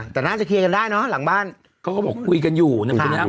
แต่น่าจะเคลียร์กันได้เนอะหลังบ้านเขาก็บอกคุยกันอยู่นะ